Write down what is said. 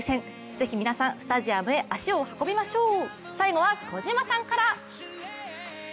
ぜひ皆さんスタジアムへ足を運びましょう。